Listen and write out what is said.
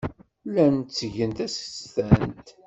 Llan ttgen tasestant.